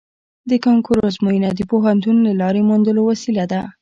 د کانکور ازموینه د پوهنتون د لارې موندلو وسیله ده